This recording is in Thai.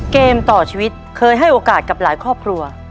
เกมต่อชีวิตเคยให้โอกาสกับหลายครอบครัว